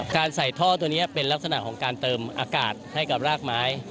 ใส่ท่อตัวนี้เป็นลักษณะของการเติมอากาศให้กับรากไม้